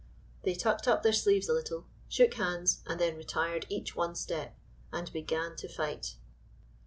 They tucked up their sleeves a little, shook hands, and then retired each one step, and began to fight.